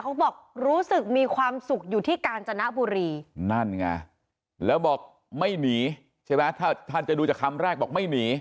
เขาบอกรู้สึกมีความสุขอยู่ที่กาญจนบุรีนั่นไงแล้วบอกไม่หนีใช่ไหมถ้าท่านจะดูจากคำแรกบอกไม่หนี